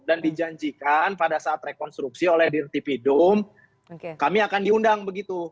dan dijanjikan pada saat rekonstruksi oleh diretipi dum kami akan diundang begitu